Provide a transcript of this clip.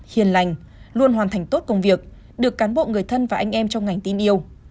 hiền lành luôn hoàn thành tốt công việc được cán bộ người thân và anh em trong ngành tin yêu